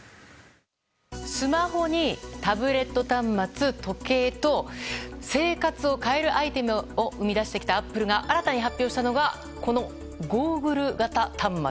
スマホにタブレット端末時計と生活を変えるアイテムを生み出してきたアップルが新たに発表したのがこのゴーグル型端末。